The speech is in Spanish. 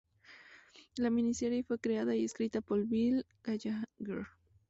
La miniserie fue creada y escrita por Bill Gallagher.